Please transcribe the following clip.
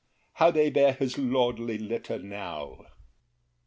how they bear his lordly litter now!